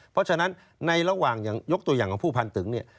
เพราะฉะนั้นในระหว่างยกตัวอย่างของผู้พันตึงเนี่ย